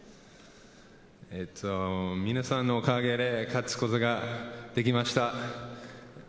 皆さんのおかげで勝つことができました。